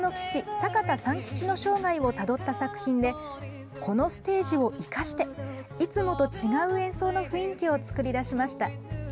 坂田三吉の生涯をたどった作品でこのステージを生かしていつもと違う演奏の雰囲気を作り出しました。